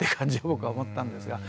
僕は思ったんですが。